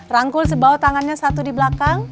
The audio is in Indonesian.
rangkul sebau tangannya satu di belakang